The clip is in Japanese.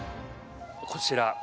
こちら。